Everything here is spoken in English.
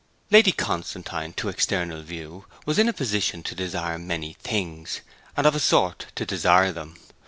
Lady Constantine, to external view, was in a position to desire many things, and of a sort to desire them.